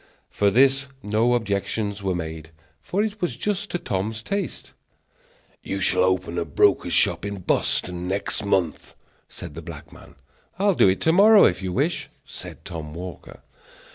To this no objections were made, for it was just to Tom's taste. "You shall open a broker's shop in Boston next month," said the black man. "I'll do it to morrow, if you wish," said Tom Walker.